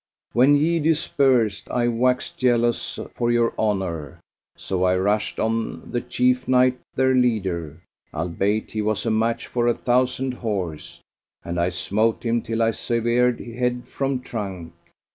When ye dispersed, I waxed jealous for your honour; so I rushed on the Chief Knight their leader, albeit he was a match for a thousand horse, and I smote him till I severed head from trunk.